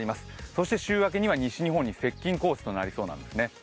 そして週明けには西日本に接近コースとなりそうなんですね。